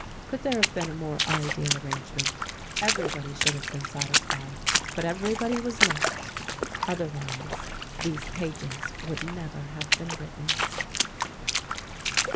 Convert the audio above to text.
Could there have been a more idyl arrangement! Everybody should have been satisfied, but everybody was not. Otherwise these pages would never have been written.